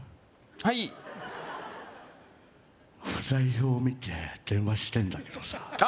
はい☎不在票見て電話してんだけどさあ